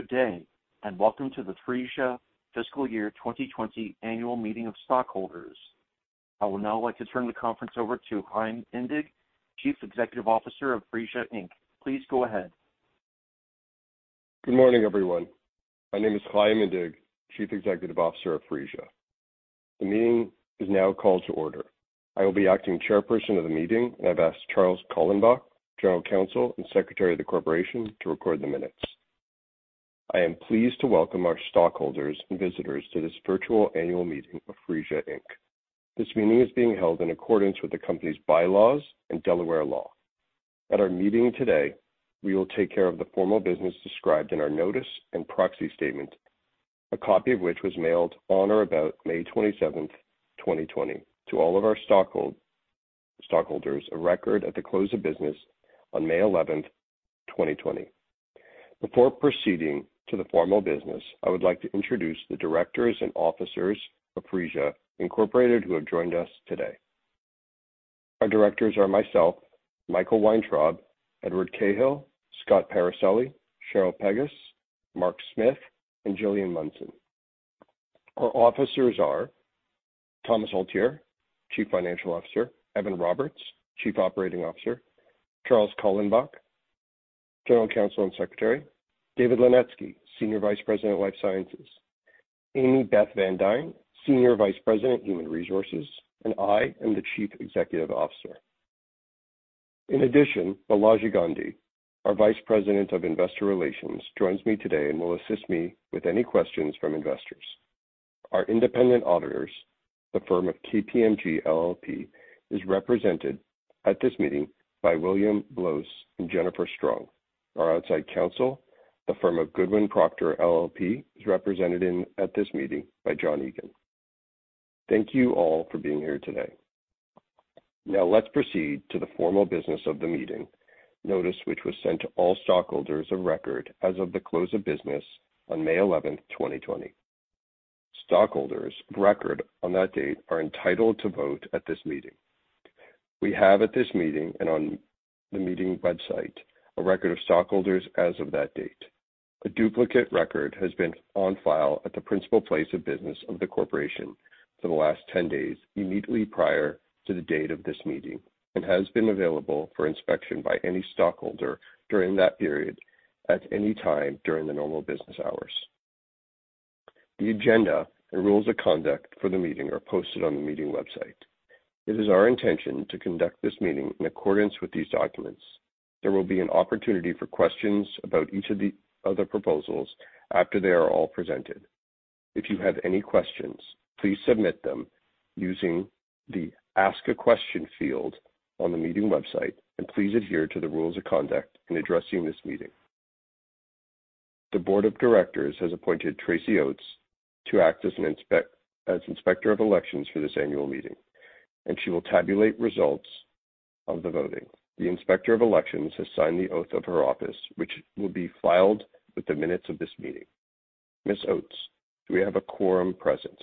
Good day, and welcome to the Phreesia Fiscal Year 2020 Annual Meeting of Stockholders. I would now like to turn the conference over to Chaim Indig, Chief Executive Officer of Phreesia Inc. Please go ahead. Good morning, everyone. My name is Chaim Indig, Chief Executive Officer of Phreesia, Inc. The meeting is now called to order. I will be acting chairperson of the meeting, and I've asked Charles Kallenbach, General Counsel and Secretary of the Corporation, to record the minutes. I am pleased to welcome our stockholders and visitors to this virtual annual meeting of Phreesia, Inc. This meeting is being held in accordance with the company's bylaws and Delaware law. At our meeting today, we will take care of the formal business described in our notice and proxy statement, a copy of which was mailed on or about May twenty-seventh, 2020, to all of our stockholders of record at the close of business on May eleventh, 2020. Before proceeding to the formal business, I would like to introduce the directors and officers of Phreesia, Inc., who have joined us today. Our directors are myself, Michael Weintraub, Edward Cahill, Scott Perricelli, Cheryl Pegus, Mark Smith, and Gillian Munson. Our officers are Thomas Altier, Chief Financial Officer, Evan Roberts, Chief Operating Officer, Charles Kallenbach, General Counsel and Secretary, David Linetsky, Senior Vice President, Life Sciences, Amy VanDuyn, Senior Vice President, Human Resources, and I am the Chief Executive Officer. In addition, Balaji Gandhi, our Vice President of Investor Relations, joins me today and will assist me with any questions from investors. Our independent auditors, the firm of KPMG LLP, is represented at this meeting by William Blose and Jennifer Strong. Our outside counsel, the firm of Goodwin Procter LLP, is represented at this meeting by John Egan. Thank you all for being here today. Now, let's proceed to the formal business of the meeting. Notice, which was sent to all stockholders of record as of the close of business on May 11, 2020. The stockholders of record on that date are entitled to vote at this meeting. We have, at this meeting and on the meeting website, a record of stockholders as of that date. A duplicate record has been on file at the principal place of business of the corporation for the last 10 days, immediately prior to the date of this meeting, and has been available for inspection by any stockholder during that period at any time during the normal business hours. The agenda and rules of conduct for the meeting are posted on the meeting website. It is our intention to conduct this meeting in accordance with these documents. There will be an opportunity for questions about each of the other proposals after they are all presented. If you have any questions, please submit them using the Ask a Question field on the meeting website, and please adhere to the rules of conduct in addressing this meeting. The board of directors has appointed Tracy Oats to act as Inspector of Elections for this annual meeting, and she will tabulate results of the voting. The Inspector of Elections has signed the oath of her office, which will be filed with the minutes of this meeting. Ms. Oats, do we have a quorum present?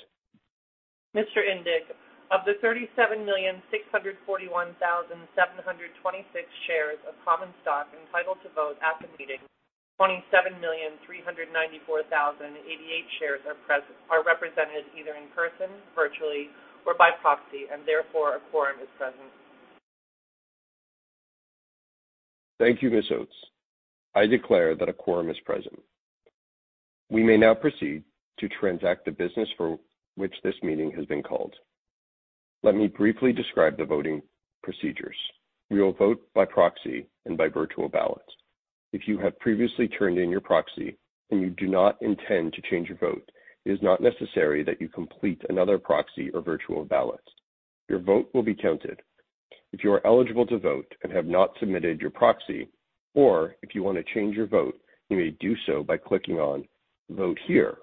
Mr. Indig, of the 37,641,726 shares of common stock entitled to vote at the meeting, 27,394,088 shares are present, are represented either in person, virtually, or by proxy, and therefore, a quorum is present. Thank you, Ms. Oats. I declare that a quorum is present. We may now proceed to transact the business for which this meeting has been called. Let me briefly describe the voting procedures. We will vote by proxy and by virtual ballot. If you have previously turned in your proxy and you do not intend to change your vote, it is not necessary that you complete another proxy or virtual ballot. Your vote will be counted. If you are eligible to vote and have not submitted your proxy, or if you want to change your vote, you may do so by clicking on Vote Here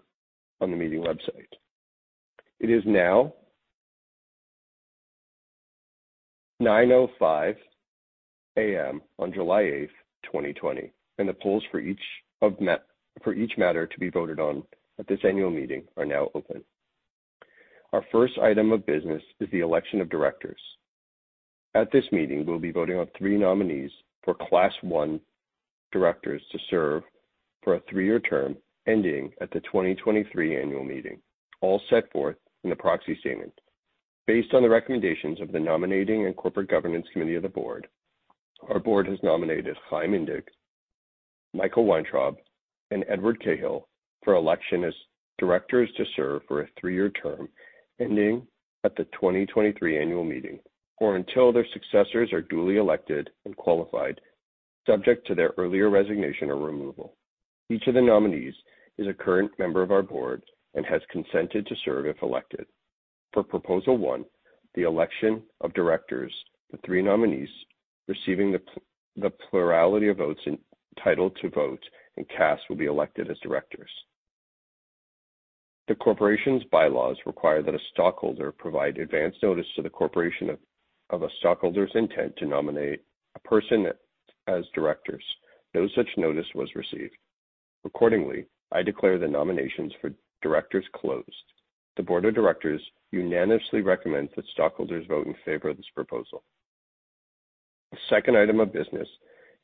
on the meeting website. It is now 9:05 A.M. on July eighth, 2020, and the polls for each matter to be voted on at this annual meeting are now open. Our first item of business is the election of directors. At this meeting, we'll be voting on three nominees for Class One directors to serve for a three-year term, ending at the 2023 annual meeting, all set forth in the proxy statement. Based on the recommendations of the Nominating and Corporate Governance Committee of the board, our board has nominated Chaim Indig, Michael Weintraub, and Edward Cahill for election as directors to serve for a three-year term, ending at the 2023 annual meeting, or until their successors are duly elected and qualified, subject to their earlier resignation or removal. Each of the nominees is a current member of our board and has consented to serve if elected. For Proposal One, the election of directors, the three nominees receiving the plurality of votes entitled to vote and cast will be elected as directors. The corporation's bylaws require that a stockholder provide advanced notice to the corporation of a stockholder's intent to nominate a person as directors. No such notice was received.... Accordingly, I declare the nominations for directors closed. The board of directors unanimously recommends that stockholders vote in favor of this proposal. The second item of business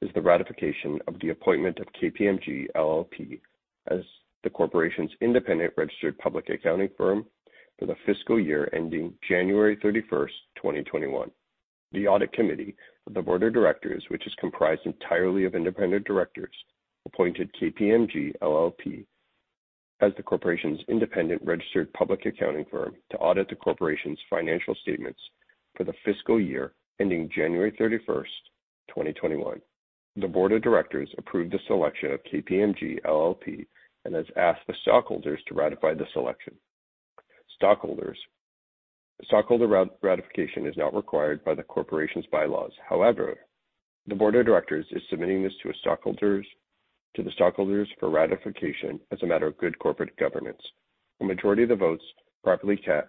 is the ratification of the appointment of KPMG LLP as the corporation's independent registered public accounting firm for the fiscal year ending January 31, 2021. The audit committee of the board of directors, which is comprised entirely of independent directors, appointed KPMG LLP as the corporation's independent registered public accounting firm to audit the corporation's financial statements for the fiscal year ending January 31, 2021. The board of directors approved the selection of KPMG LLP and has asked the stockholders to ratify the selection. Ratification is not required by the corporation's Bylaws. However, the Board of Directors is submitting this to a stockholders, to the stockholders for ratification as a matter of good corporate governance. A majority of the votes properly cast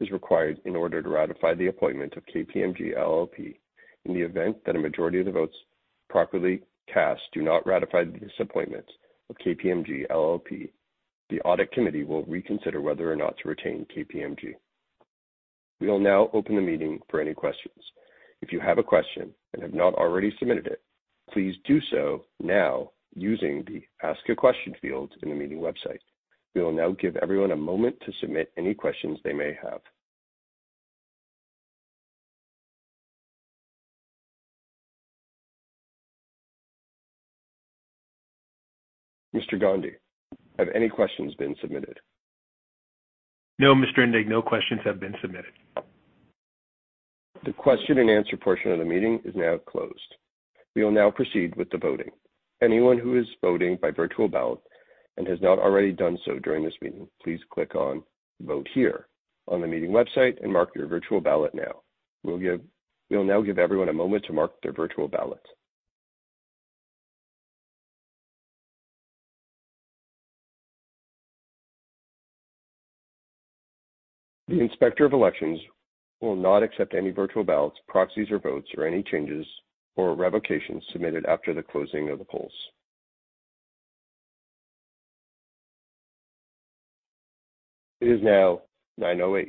is required in order to ratify the appointment of KPMG LLP. In the event that a majority of the votes properly cast do not ratify this appointment of KPMG LLP, the Audit Committee will reconsider whether or not to retain KPMG. We will now open the meeting for any questions. If you have a question, and have not already submitted it, please do so now using the Ask a Question field in the meeting website. We will now give everyone a moment to submit any questions they may have. Mr. Gandhi, have any questions been submitted? No, Mr. Indig, no questions have been submitted. The question and answer portion of the meeting is now closed. We will now proceed with the voting. Anyone who is voting by virtual ballot and has not already done so during this meeting, please click on Vote Here on the meeting website and mark your virtual ballot now. We will now give everyone a moment to mark their virtual ballots. The Inspector of Elections will not accept any virtual ballots, proxies, or votes, or any changes or revocations submitted after the closing of the polls. It is now 9:08 A.M.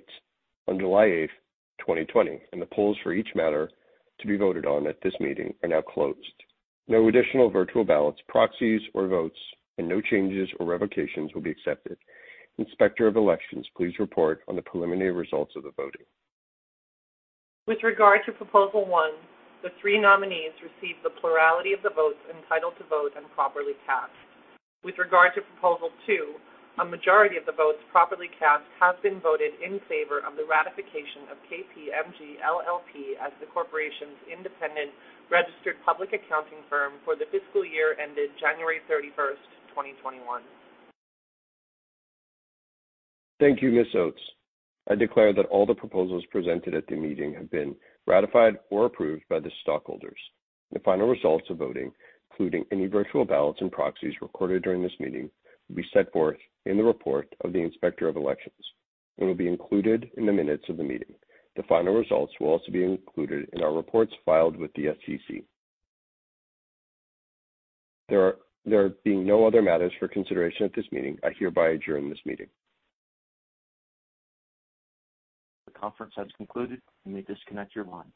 on July 8, 2020, and the polls for each matter to be voted on at this meeting are now closed. No additional virtual ballots, proxies, or votes, and no changes or revocations will be accepted. Inspector of Elections, please report on the preliminary results of the voting. With regard to proposal one, the three nominees received the plurality of the votes entitled to vote and properly cast. With regard to proposal two, a majority of the votes properly cast have been voted in favor of the ratification of KPMG LLP as the corporation's independent registered public accounting firm for the fiscal year ended January thirty-first, twenty twenty-one. Thank you, Ms. Oats. I declare that all the proposals presented at the meeting have been ratified or approved by the stockholders. The final results of voting, including any virtual ballots and proxies recorded during this meeting, will be set forth in the report of the inspector of elections and will be included in the minutes of the meeting. The final results will also be included in our reports filed with the SEC. There being no other matters for consideration at this meeting, I hereby adjourn this meeting. The conference has concluded. You may disconnect your line.